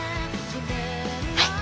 はい。